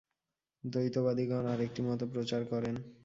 দ্বৈতবাদিগণ আর একটি মতও প্রচার করেন।